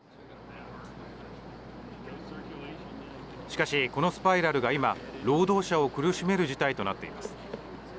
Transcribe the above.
しかし、このスパイラルが今労働者を苦しめる事態となっています。